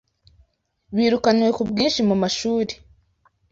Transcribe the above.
birukanywe ku bwinshi mu mashuri